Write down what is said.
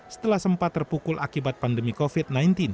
setelah sempat terpukul akibat pandemi covid sembilan belas